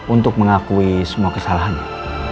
untuk mengakui semua kesalahannya